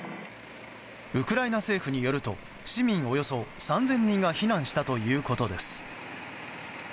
ウクライナ政府によると市民およそ３０００人が退避したということです。